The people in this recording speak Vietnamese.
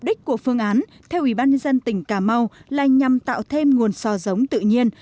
mục đích của phương án theo ủy ban nhân dân tỉnh cà mau là nhằm tạo thêm nguồn so giống tự nhiên